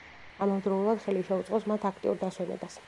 ამავდროულად ხელი შეუწყოს მათ აქტიურ დასვენებას.